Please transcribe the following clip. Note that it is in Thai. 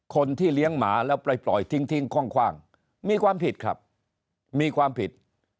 คนที่เลี้ยงหมาแล้วไปปล่อยทิ้งทิ้งคว่างมีความผิดครับมีความผิด